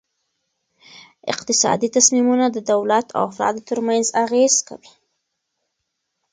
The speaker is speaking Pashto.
اقتصادي تصمیمونه د دولت او افرادو ترمنځ اغیز کوي.